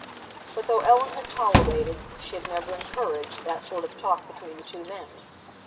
But though Ellen had tolerated, she had never encouraged, that sort of talk between the two men.